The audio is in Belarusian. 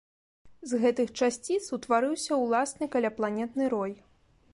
З гэтых часціц утварыўся ўласны каляпланетны рой.